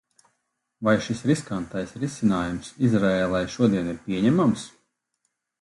Vai šis riskantais risinājums Izraēlai šodien ir pieņemams?